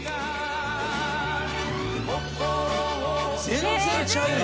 全然ちゃうな。